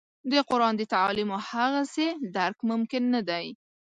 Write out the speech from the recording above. د قران د تعالیمو هغسې درک ممکن نه دی.